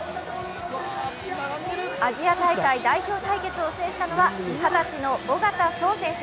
アジア大会代表対決を制したのは二十歳の小方颯選手。